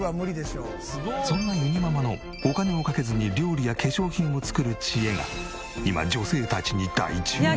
そんなゆにママのお金をかけずに料理や化粧品を作る知恵が今女性たちに大注目。